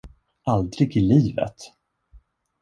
Aldrig i livet!